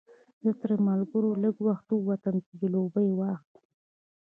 زه تر ملګرو لږ وخته ووتم چې جلبۍ واخلم.